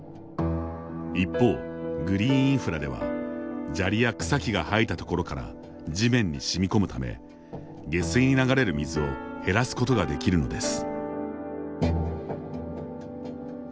一方、グリーンインフラでは砂利や草木が生えたところから地面に染み込むため下水に流れる水を減らすことができるのです。